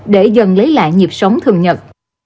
để dần lấy lại nhịp sống thường nhật